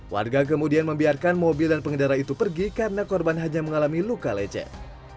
warga kemudian membiarkan mobil dan pengendara itu pergi karena korban hanya mengalami luka lecet